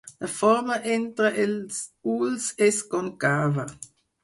La forma entre els ulls és còncava.